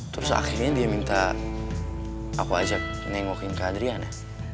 terus akhirnya dia minta aku ajak nengokin ke adriana